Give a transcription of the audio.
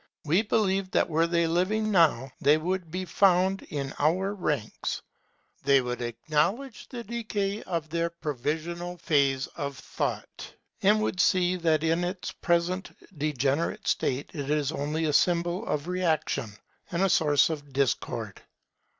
We believe that were they living now, they would be found in our ranks. They would acknowledge the decay of their provisional phase of thought, and would see that in its present degenerate state it is only a symbol of reaction, and a source of discord.